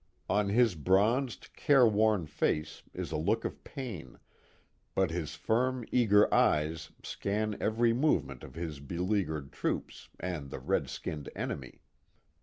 On his bronzed, careworn face is a look of pain, but his firm, eager eyes scan every movement of his beleaguered troops and the red skinned enemy.